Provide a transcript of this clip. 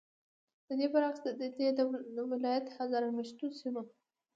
ددې برعکس، ددې ولایت هزاره میشتو سیمو